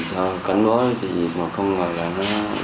thì cầm vô lên